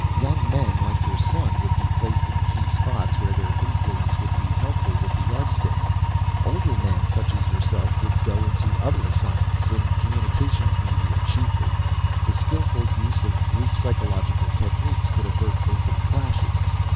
Young men, like your son, would be placed in key spots where their influence would be helpful with the Yardsticks. Older men such as yourself would go into other assignments in communications media, chiefly. The skillful use of group psychological techniques could avert open clashes.